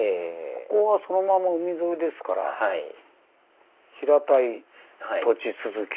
ここはそのまま海沿いですから平たい土地続き。